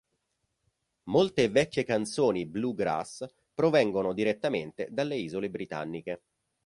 Molte vecchie canzoni bluegrass provengono direttamente dalle isole britanniche.